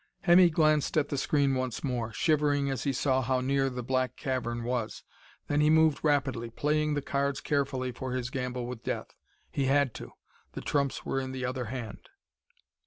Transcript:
Hemmy glanced at the screen once more, shivering as he saw how near the black cavern was. Then he moved rapidly, playing the cards carefully for his gamble with death. He had to: the trumps were in the other hand.